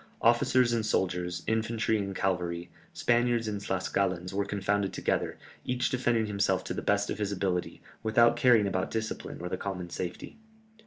Officers and soldiers, infantry and cavalry, Spaniards and Tlascalans were confounded together, each defended himself to the best of his ability, without caring about discipline or the common safety.